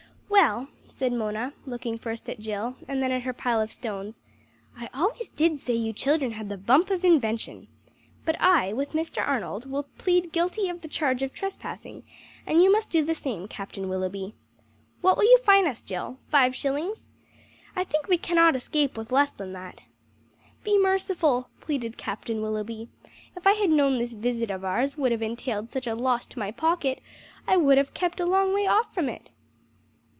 "Well," said Mona, looking first at Jill and then at her pile of stones, "I always did say you children had the bump of invention. But I, with Mr. Arnold, will plead guilty of the charge of trespassing; and you must do the same, Captain Willoughby. What will you fine us, Jill? Five shillings? I think we cannot escape with less than that." "Be merciful," pleaded Captain Willoughby. "If I had known this visit of ours would have entailed such a loss to my pocket, I would have kept a long way off from it!"